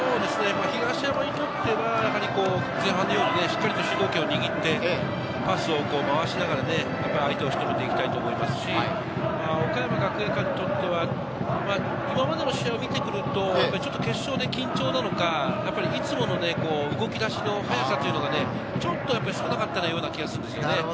東山にとっては前半のようにしっかりと主導権を握って、パスを回しながら相手を仕留めていきたいと思いますし、岡山学芸館にとっては、今までの試合を見てくると、決勝で緊張なのか、いつもの動き出しの速さというのが、ちょっと少なかったような気がするんですよね。